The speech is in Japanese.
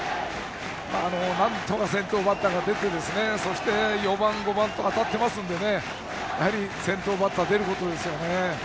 なんとか先頭バッターが出て４番、５番当たっていますから先頭バッター出ることですよね。